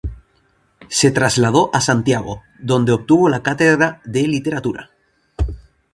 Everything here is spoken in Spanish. Se trasladó a Santiago, donde obtuvo la cátedra de Literatura.